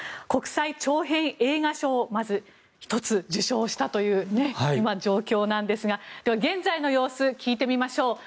国際長編映画賞まず１つ受賞したという状況なんですがでは、現在の様子を聞いてみましょう。